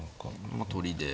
まあ取りで。